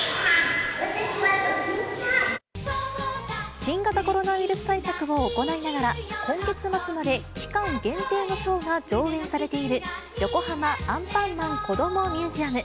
新型コロナウイルス対策を行いながら、今月末まで期間限定のショーが上演されている、横浜アンパンマンこどもミュージアム。